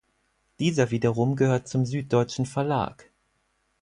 Dieser wiederum gehört zum Süddeutschen Verlag.